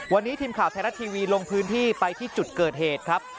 วันนี้ทีมข่าวไทยรัฐทีวีลงพื้นที่ไปที่จุดเกิดเหตุครับ